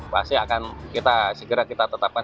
pasti akan kita segera kita tetapkan